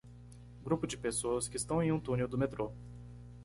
Grupo de pessoas que estão em um túnel do metrô.